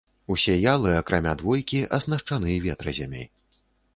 Усе ялы, акрамя двойкі, аснашчаны ветразямі.